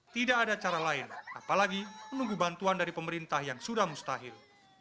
tidak ada cara lain apalagi menunggu bantuan dari pemerintah yang sudah mustahil